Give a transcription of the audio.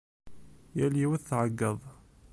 Yal yiwet tɛeggeḍ.